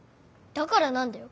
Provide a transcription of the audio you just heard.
だからなんだよ。